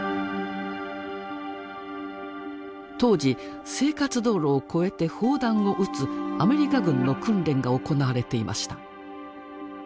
当時生活道路を越えて砲弾を撃つアメリカ軍の訓練が行われていました。